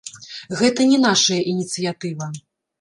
Гэта не нашая ініцыятыва.